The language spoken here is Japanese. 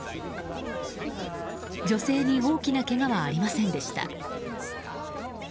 女性に大きなけがはありませんでした。